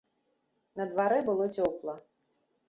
На дварэ было цёпла.